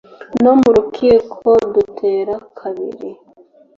No mu rukiko dutera kabiri.